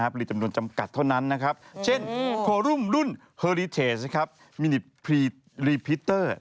ไปถึงลื่อแล้วเหรอ